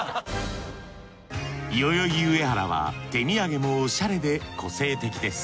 代々木上原は手土産もおしゃれで個性的です。